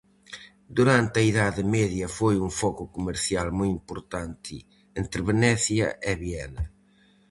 Durante a Idade Media foi un foco comercial moi importante entre Venecia e Viena.